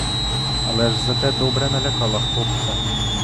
Але ж зате добре налякала хлопця!